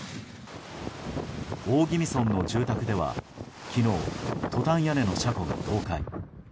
大宜味村の住宅では昨日トタン屋根の車庫が倒壊。